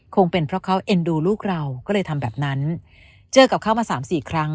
คงเป็นเพราะเขาเอ็นดูลูกเราก็เลยทำแบบนั้นเจอกับเขามาสามสี่ครั้ง